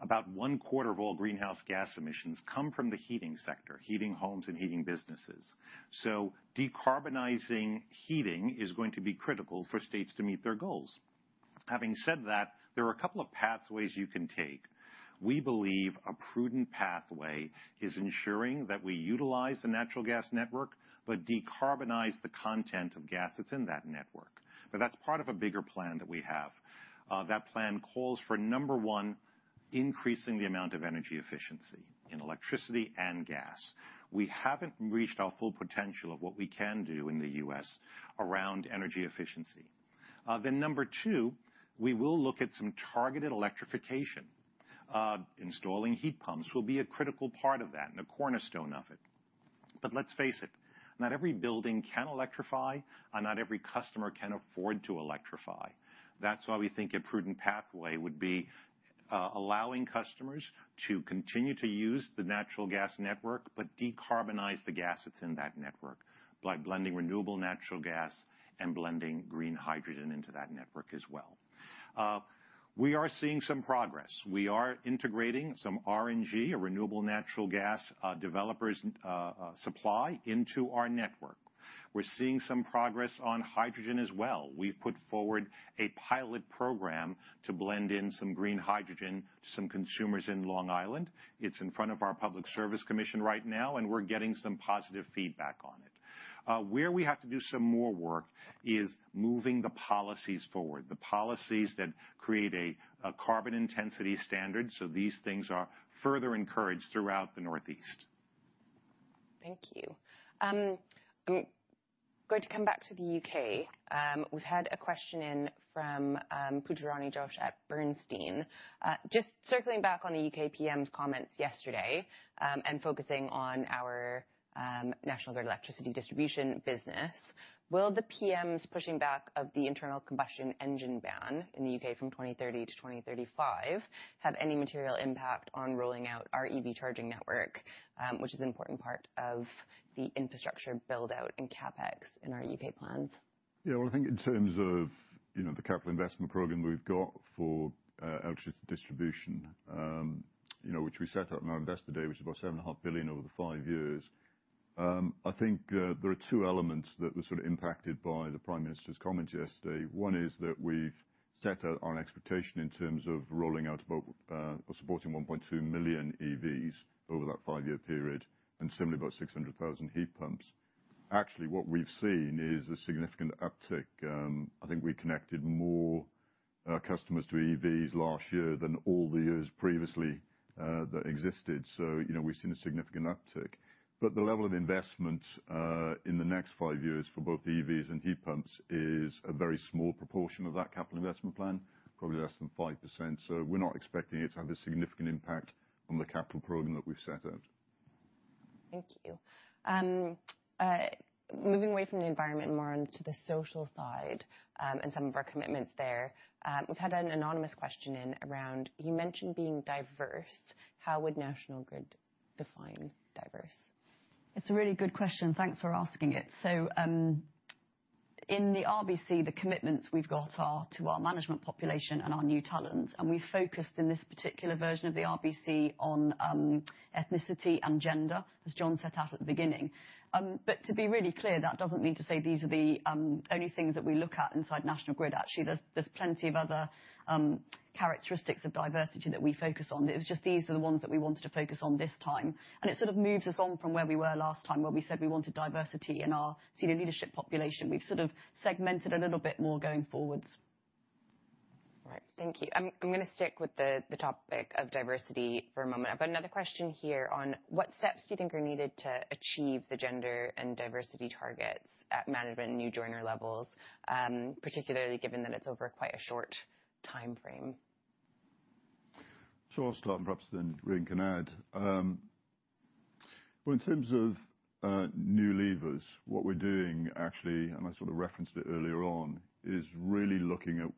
about one quarter of all greenhouse gas emissions come from the heating sector, heating homes and heating businesses. Decarbonizing heating is going to be critical for states to meet their goals. Having said that, there are a couple of pathways you can take. We believe a prudent pathway is ensuring that we utilize the natural gas network, but decarbonize the content of gas that's in that network. That's part of a bigger plan that we have. That plan calls for, number one, increasing the amount of energy efficiency in electricity and gas. We haven't reached our full potential of what we can do in the US around energy efficiency. Number two, we will look at some targeted electrification. Installing heat pumps will be a critical part of that and a cornerstone of it. Let's face it, not every building can electrify and not every customer can afford to electrify. That's why we think a prudent pathway would be allowing customers to continue to use the natural gas network, but decarbonize the gas that's in that network by blending renewable natural gas and blending green hydrogen into that network as well. We are seeing some progress. We are integrating some RNG, a renewable natural gas developer's supply, into our network. We're seeing some progress on hydrogen as well. We've put forward a pilot program to blend in some green hydrogen to some consumers in Long Island. It's in front of our Public Service Commission right now, and we're getting some positive feedback on it. Where we have to do some more work is moving the policies forward, the policies that create a carbon intensity standard. These things are further encouraged throughout the northeast. Thank you. I'm going to come back to the U.K. We've had a question in from Pujarini Ghosh at Bernstein. Just circling back on the U.K. PM's comments yesterday and focusing on our National Grid electricity distribution business, will the PM's pushing back of the internal combustion engine ban in the U.K. from 2030 to 2035 have any material impact on rolling out our EV charging network, which is an important part of the infrastructure build-out and CapEx in our U.K. plans? Yeah. I think in terms of the capital investment program we've got for electricity distribution, which we set out in our investor data, which is about 7.5 billion over the five years, I think there are two elements that were sort of impacted by the Prime Minister's comments yesterday. One is that we've set out our expectation in terms of rolling out about or supporting 1.2 million EVs over that five-year period and similarly about 600,000 heat pumps. Actually, what we've seen is a significant uptick. I think we connected more customers to EVs last year than all the years previously that existed. We have seen a significant uptick. The level of investment in the next five years for both EVs and heat pumps is a very small proportion of that capital investment plan, probably less than 5%. We're not expecting it to have a significant impact on the capital program that we've set out. Thank you. Moving away from the environment more and to the social side and some of our commitments there, we've had an anonymous question in around you mentioned being diverse. How would National Grid define diverse? It's a really good question. Thanks for asking it. In the RBC, the commitments we've got are to our management population and our new talent. We've focused in this particular version of the RBC on ethnicity and gender, as John set out at the beginning. To be really clear, that doesn't mean to say these are the only things that we look at inside National Grid. Actually, there's plenty of other characteristics of diversity that we focus on. It was just these are the ones that we wanted to focus on this time. It sort of moves us on from where we were last time, where we said we wanted diversity in our senior leadership population. We've sort of segmented a little bit more going forwards. All right. Thank you. I'm going to stick with the topic of diversity for a moment. I've got another question here on what steps do you think are needed to achieve the gender and diversity targets at management and new joiner levels, particularly given that it's over quite a short-time frame?` I'll start and perhaps then Rhian can add. In terms of new levers, what we're doing actually, and I sort of referenced it earlier on, is really looking at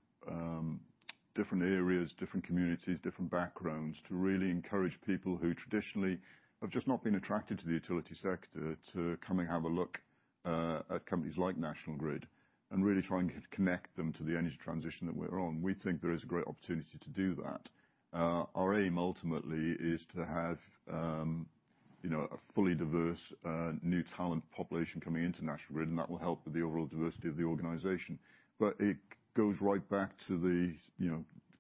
different areas, different communities, different backgrounds to really encourage people who traditionally have just not been attracted to the utility sector to come and have a look at companies like National Grid and really try and connect them to the energy transition that we're on. We think there is a great opportunity to do that. Our aim ultimately is to have a fully diverse new talent population coming into National Grid, and that will help with the overall diversity of the organization. It goes right back to the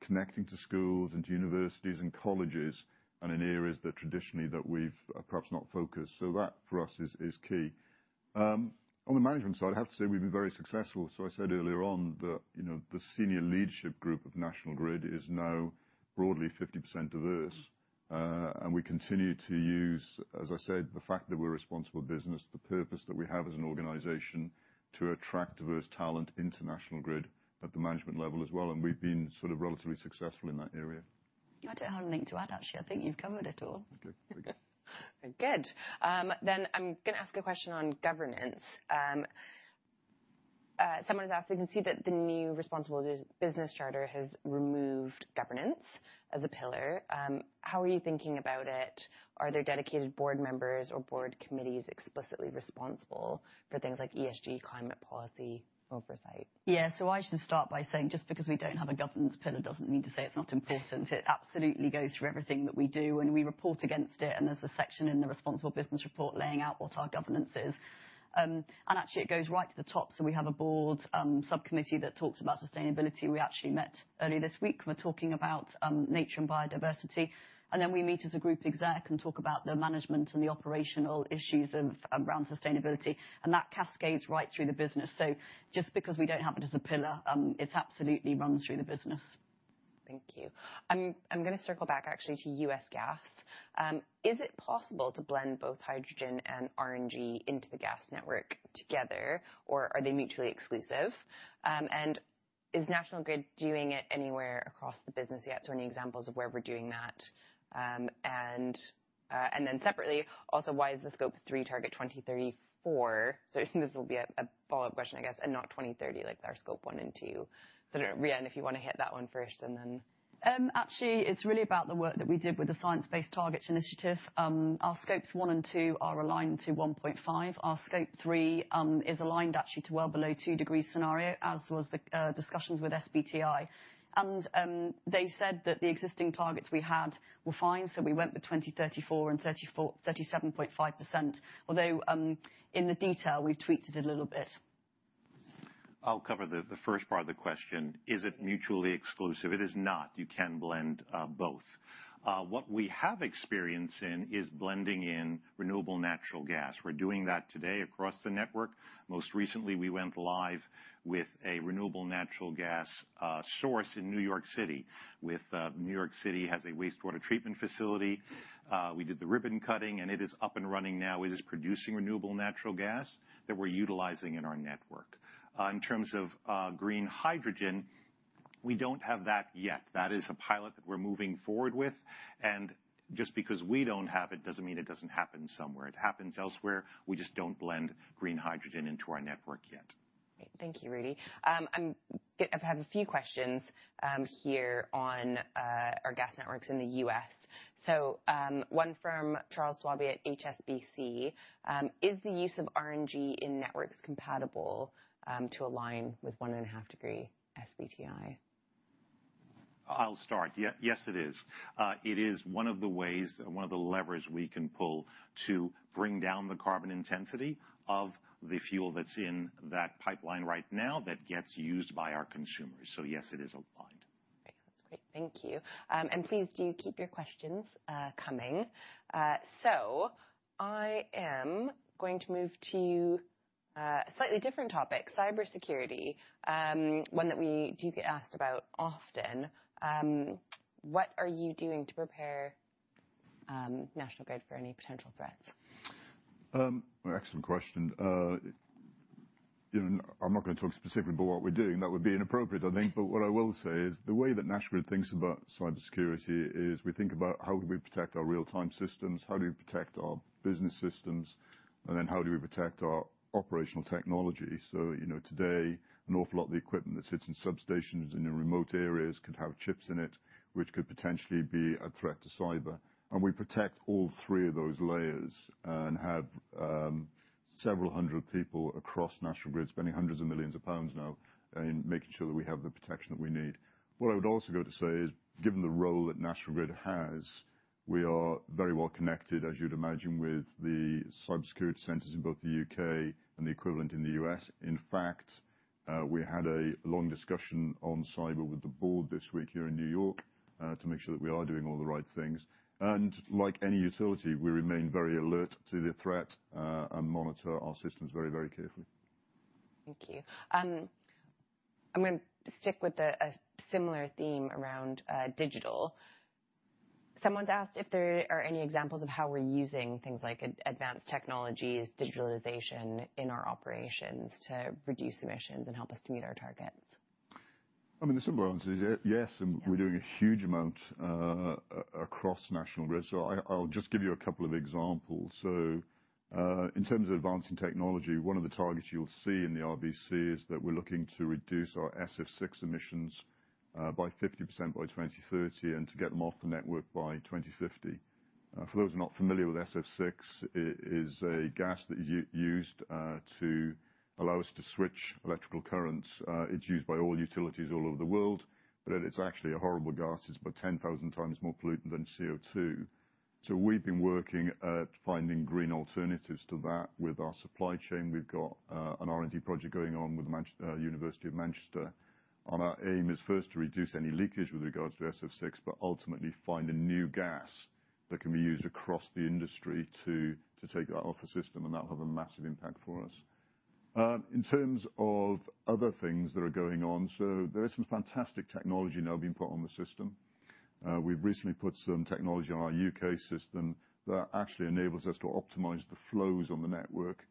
connecting to schools and to universities and colleges and in areas that traditionally that we've perhaps not focused. That for us is key. On the management side, I have to say we've been very successful. I said earlier on that the senior leadership group of National Grid is now broadly 50% diverse. We continue to use, as I said, the fact that we're a responsible business, the purpose that we have as an organization to attract diverse talent into National Grid at the management level as well. We've been sort of relatively successful in that area. I do not have a link to add, actually. I think you have covered it all. Okay. Good. I am going to ask a question on governance. Someone has asked, "I can see that the new Responsible Business Charter has removed governance as a pillar. How are you thinking about it? Are there dedicated board members or board committees explicitly responsible for things like ESG climate policy oversight? Yeah. I should start by saying just because we do not have a governance pillar does not mean to say it is not important. It absolutely goes through everything that we do, and we report against it. There is a section in the responsible business report laying out what our governance is. Actually, it goes right to the top. We have a board subcommittee that talks about sustainability. We actually met earlier this week and were talking about nature and biodiversity. We meet as a group exec and talk about the management and the operational issues around sustainability. That cascades right through the business. Just because we do not have it as a pillar, it absolutely runs through the business. Thank you. I'm going to circle back actually to U.S. gas. Is it possible to blend both hydrogen and RNG into the gas network together, or are they mutually exclusive? Is National Grid doing it anywhere across the business yet? Any examples of where we're doing that? Separately, also, why is the Scope 3 target 2034? This will be a follow-up question, I guess, and not 2030 like our Scope 1 and 2. Rhian, if you want to hit that one first and then. Actually, it's really about the work that we did with the Science Based Targets Initiative. Our Scopes 1 and 2 are aligned to 1.5. Our Scope 3 is aligned actually to well below 2 degrees scenario, as was the discussions with SBTI. They said that the existing targets we had were fine, so we went with 2034 and 37.5%, although in the detail, we've tweaked it a little bit. I'll cover the first part of the question. Is it mutually exclusive? It is not. You can blend both. What we have experience in is blending in renewable natural gas. We're doing that today across the network. Most recently, we went live with a renewable natural gas source in New York City. New York City has a wastewater treatment facility. We did the ribbon cutting, and it is up and running now. It is producing renewable natural gas that we're utilizing in our network. In terms of green hydrogen, we don't have that yet. That is a pilot that we're moving forward with. Just because we don't have it doesn't mean it doesn't happen somewhere. It happens elsewhere. We just don't blend green hydrogen into our network yet. Thank you, Rudy. I have a few questions here on our gas networks in the U.S. One from Charles Schwab at HSBC, "Is the use of RNG in networks compatible to align with 1.5-degree SBTI? I'll start. Yes, it is. It is one of the ways, one of the levers we can pull to bring down the carbon intensity of the fuel that's in that pipeline right now that gets used by our consumers. Yes, it is aligned. Okay. That's great. Thank you. Please do keep your questions coming. I am going to move to a slightly different topic, cybersecurity, one that we do get asked about often. What are you doing to prepare National Grid for any potential threats? Excellent question. I'm not going to talk specifically about what we're doing. That would be inappropriate, I think. What I will say is the way that National Grid thinks about cybersecurity is we think about how do we protect our real-time systems, how do we protect our business systems, and then how do we protect our operational technology. Today, an awful lot of the equipment that sits in substations and in remote areas could have chips in it, which could potentially be a threat to cyber. We protect all three of those layers and have several hundred people across National Grid spending hundreds of millions of GBP now in making sure that we have the protection that we need. What I would also go to say is, given the role that National Grid has, we are very well connected, as you'd imagine, with the cybersecurity centers in both the U.K. and the equivalent in the U.S. In fact, we had a long discussion on cyber with the board this week here in New York to make sure that we are doing all the right things. Like any utility, we remain very alert to the threat and monitor our systems very, very carefully. Thank you. I'm going to stick with a similar theme around digital. Someone's asked if there are any examples of how we're using things like advanced technologies, digitalization in our operations to reduce emissions and help us to meet our targets. I mean, the simple answer is yes, and we're doing a huge amount across National Grid. I'll just give you a couple of examples. In terms of advancing technology, one of the targets you'll see in the RBC is that we're looking to reduce our SF6 emissions by 50% by 2030 and to get them off the network by 2050. For those who are not familiar with SF6, it is a gas that is used to allow us to switch electrical currents. It's used by all utilities all over the world, but it's actually a horrible gas. It's about 10,000 times more pollutant than CO2. We've been working at finding green alternatives to that with our supply chain. We've got an R&D project going on with the University of Manchester. Our aim is first to reduce any leakage with regards to SF6, but ultimately find a new gas that can be used across the industry to take that off the system, and that will have a massive impact for us. In terms of other things that are going on, there is some fantastic technology now being put on the system. We have recently put some technology on our U.K. system that actually enables us to optimize the flows on the network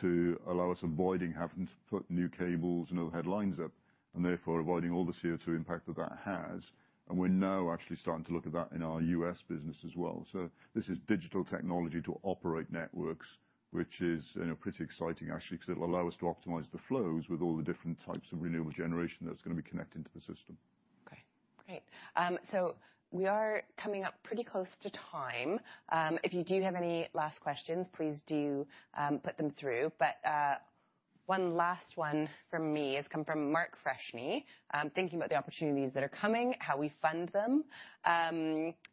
to allow us, avoiding having to put new cables and overhead lines up, and therefore avoiding all the CO2 impact that that has. We are now actually starting to look at that in our U.S. business as well. This is digital technology to operate networks, which is pretty exciting actually because it'll allow us to optimize the flows with all the different types of renewable generation that's going to be connected to the system. Okay. Great. We are coming up pretty close to time. If you do have any last questions, please do put them through. One last one from me has come from Mark Freshney, "Thinking about the opportunities that are coming, how we fund them."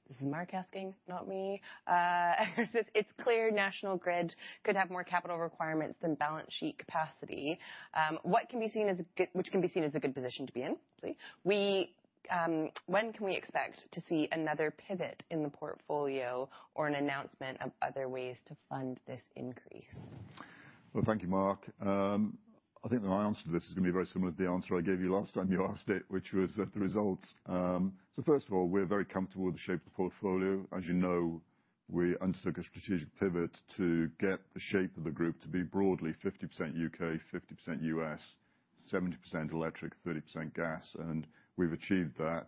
This is Mark asking, not me. "It's clear National Grid could have more capital requirements than balance sheet capacity. What can be seen as a good position to be in? When can we expect to see another pivot in the portfolio or an announcement of other ways to fund this increase? Thank you, Mark. I think my answer to this is going to be very similar to the answer I gave you last time you asked it, which was the results. First of all, we're very comfortable with the shape of the portfolio. As you know, we undertook a strategic pivot to get the shape of the group to be broadly 50% U.K., 50% U.S., 70% electric, 30% gas. We've achieved that.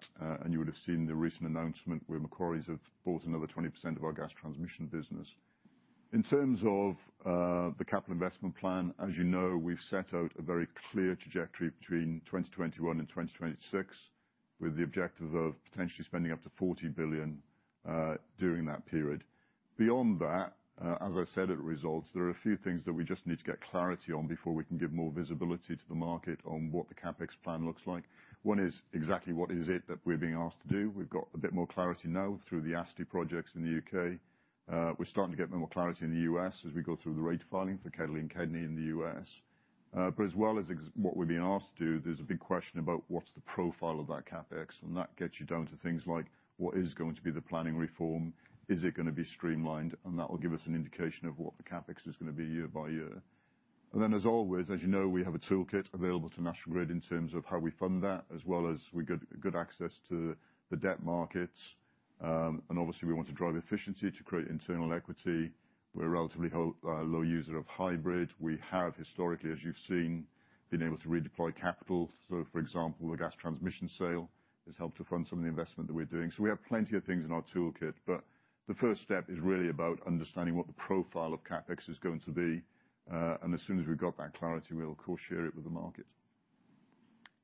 You would have seen the recent announcement where Macquarie have bought another 20% of our gas transmission business. In terms of the capital investment plan, as you know, we've set out a very clear trajectory between 2021 and 2026 with the objective of potentially spending up to 40 billion during that period. Beyond that, as I said at results, there are a few things that we just need to get clarity on before we can give more visibility to the market on what the CapEx plan looks like. One is exactly what is it that we're being asked to do. We've got a bit more clarity now through the ASTI projects in the U.K. We're starting to get more clarity in the U.S. as we go through the rate filing for Kedley and Kedney in the U.S. As well as what we're being asked to do, there's a big question about what's the profile of that CapEx. That gets you down to things like what is going to be the planning reform, is it going to be streamlined, and that will give us an indication of what the CapEx is going to be year-by-year. As always, as you know, we have a toolkit available to National Grid in terms of how we fund that, as well as we've got good access to the debt markets. Obviously, we want to drive efficiency to create internal equity. We're a relatively low user of hybrid. We have historically, as you've seen, been able to redeploy capital. For example, the gas transmission sale has helped to fund some of the investment that we're doing. We have plenty of things in our toolkit, but the first step is really about understanding what the profile of CapEx is going to be. As soon as we've got that clarity, we'll, of course, share it with the market.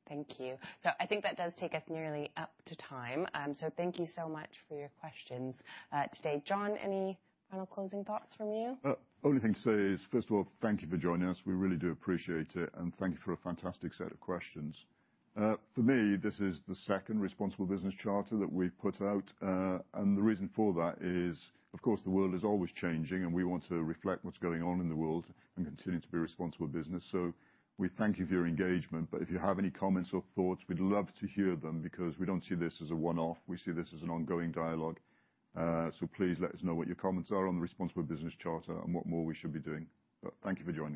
Thank you. I think that does take us nearly up to time. Thank you so much for your questions today. John, any final closing thoughts from you? Only thing to say is, first of all, thank you for joining us. We really do appreciate it. Thank you for a fantastic set of questions. For me, this is the second responsible business charter that we've put out. The reason for that is, of course, the world is always changing, and we want to reflect what's going on in the world and continue to be a responsible business. We thank you for your engagement. If you have any comments or thoughts, we'd love to hear them because we don't see this as a one-off. We see this as an ongoing dialogue. Please let us know what your comments are on the responsible business charter and what more we should be doing. Thank you for joining us.